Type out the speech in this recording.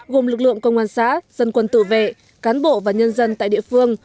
gồm lực lượng công an xã dân quân tự vệ cán bộ và nhân dân tại địa phương